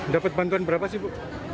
dapat bantuan berapa sih bu